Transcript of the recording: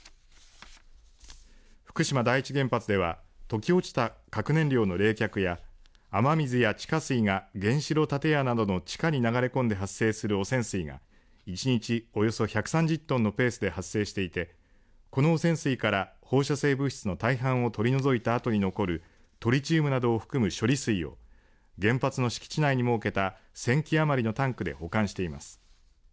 福島第一原発では溶け落ちた核燃料の冷却や雨水や地下水が原子炉建屋などの地下に流れ込んで発生する汚染水が１日およそ１３０トンのペースで発生していてこの汚染水から放射性物質の大半を取り除いたあとに残るトリチウムなどを含む処理水を原発の敷地内に設けた１０００基余りのタンクで保管しています。